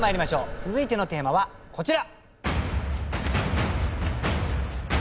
続いてのテーマはこちら。